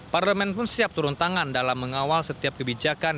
parlemen pun siap turun tangan dalam mengawal setiap kebijakan